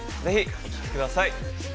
ぜひお聞きください。